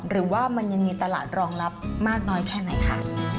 หรือว่ามันยังมีตลาดรองรับมากน้อยแค่ไหนค่ะ